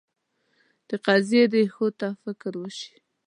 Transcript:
د قضیې ریښو ته فکر وشي.